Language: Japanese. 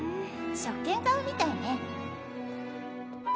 食券買うみたいね。